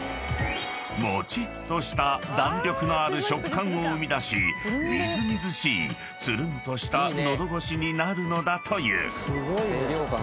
［もちっとした弾力のある食感を生み出しみずみずしいつるんとした喉越しになるのだという］